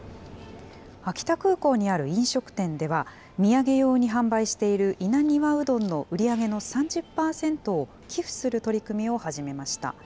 秋田空港にある飲食店では、土産用に販売している稲庭うどんの売り上げの３０％を寄付する取り組みを始めました。